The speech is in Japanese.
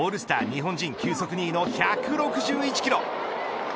日本人急速２位の１６１キロ。